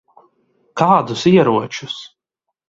Kādus ieročus?